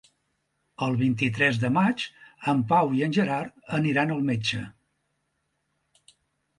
El vint-i-tres de maig en Pau i en Gerard aniran al metge.